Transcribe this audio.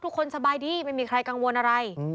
โอ้ทุกคนสบายดีไม่มีใครกังวลอะไร